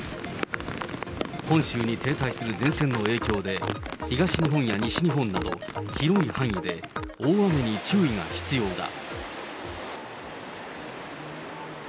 本州に停滞する前線の影響で、東日本や西日本など広い範囲で大雨に注意が必要だ。